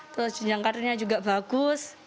terus jenjang karirnya juga bagus